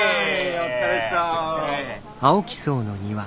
お疲れさまです。